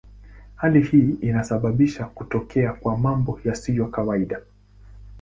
Hali hii inasababisha kutokea kwa mambo yasiyo kawaida.